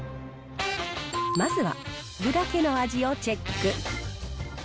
まずは具だけの味をチェック。